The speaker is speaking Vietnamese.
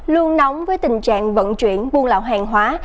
luôn nóng với tình trạng vận chuyển buôn lậu hàng hóa